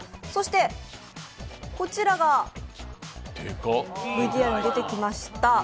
そしてこちらが、ＶＴＲに出てきました